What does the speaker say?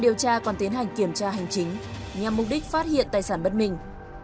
điều tra còn tiến hành kiểm tra hành chính nhằm mục đích phát hiện tài sản bất minh